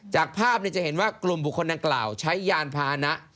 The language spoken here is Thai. จากภาพจะเห็นว่ากลุ่มบุคคลดังกล่าวใช้ยานพาหนะ